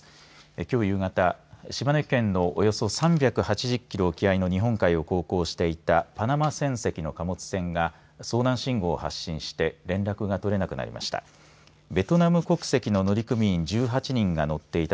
きょう夕方島根県のおよそ３８０キロ沖合を航行していたパナマ船籍の貨物船が遭難信号を発信して連絡が取れなくなりました。